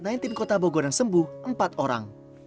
di kota bogor yang sembuh empat orang